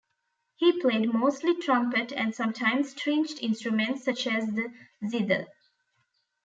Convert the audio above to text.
He played mostly trumpet and sometimes stringed instruments such as the zither.